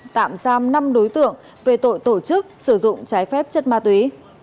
tạm giam năm đối tượng về tội tổ chức sử dụng trái phép chất ma túy